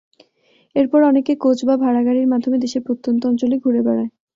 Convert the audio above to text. এরপর অনেকে কোচ বা ভাড়া গাড়ির মাধ্যমে দেশের প্রত্যন্ত অঞ্চলে ঘুরে বেড়ায়।